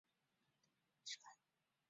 后考入南京师范学院数学系。